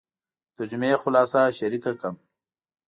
د ترجمې خلاصه شریکه کړم.